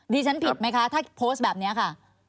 ฉันผิดไหมคะถ้าโพสต์แบบนี้ค่ะ